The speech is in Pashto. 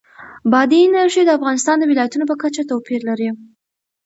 بادي انرژي د افغانستان د ولایاتو په کچه توپیر لري.